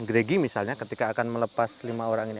gregi misalnya ketika akan melepas lima orang ini